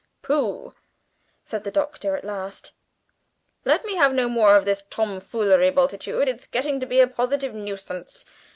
"Pooh!" said the Doctor at last; "let me have no more of this tomfoolery, Bultitude. It's getting to be a positive nuisance.